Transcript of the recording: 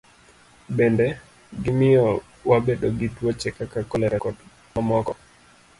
Bende, gimiyo wabedo gi tuoche kaka kolera, kod mamoko.